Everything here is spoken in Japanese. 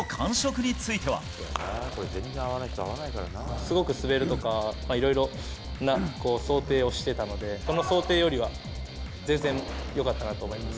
すごく滑るとか、いろいろな想定をしてたので、その想定よりは、全然よかったなと思います。